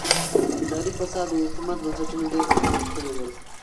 اداري فساد د حکومت بنسټونه ډېر کمزوري کړي ول.